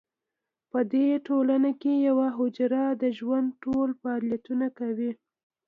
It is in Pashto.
په دې ټولنو کې یوه حجره د ژوند ټول فعالیتونه کوي.